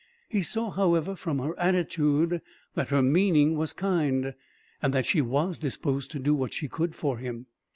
He saw, however, from her attitude, that her meaning was kind, and that she was disposed to do what she could for him.